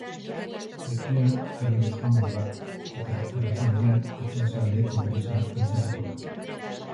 Haizea ahulduz joango da eta arratsaldean itsasaldeko brisa altxatuko da.